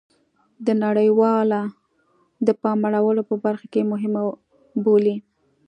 د نړیواله د پام اړولو په برخه کې مهمه بولي